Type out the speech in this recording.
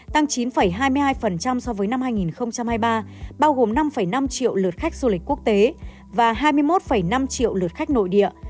tăng chín hai mươi hai so với năm hai nghìn hai mươi ba bao gồm năm năm triệu lượt khách du lịch quốc tế và hai mươi một năm triệu lượt khách nội địa